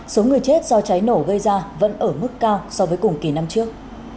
số người chết do cháy nổ gây ra vẫn ở mức cao so với cùng kỳ năm trước